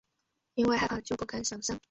因为害怕就不敢想像